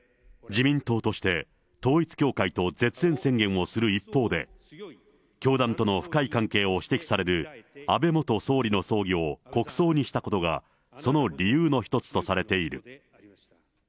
自民党として、統一教会と絶縁宣言をする一方で、教団との深い関係を指摘される安倍元総理の葬儀を国葬にしたことが、その理由の一つとされている。